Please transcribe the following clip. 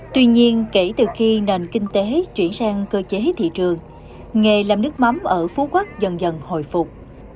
tuy nhiên kể từ khi nền kinh tế chuyển sang cơ chế thị trường nghề làm nước mắm ở phú quốc dần dần hồi phục